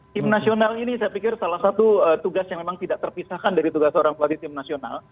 timnasional ini saya pikir salah satu tugas yang memang tidak terpisahkan dari tugas orang tua di timnasional